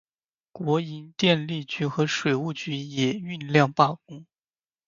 国营电力局和水务局也酝酿罢工。